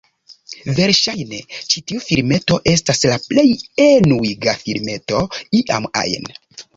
Verŝajne, ĉi tiu filmeto estas la plej enuiga filmeto iam ajn.